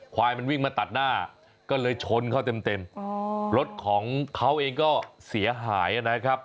ควายมันวิ่งมาตัดหน้าก็เลยชนเขาเต็มรถของเขาเองก็เสียหายนะครับ